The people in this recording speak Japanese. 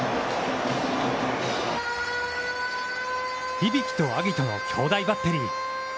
響と晶音の兄弟バッテリー。